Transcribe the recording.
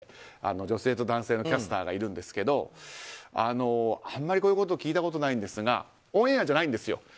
ツーショットで女性と男性のキャスターがいるんですけどあまりこういうことは聞いたことがないんですがオンエアじゃないんですよ。